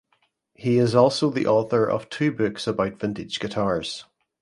He is also the author of two books about vintage guitars.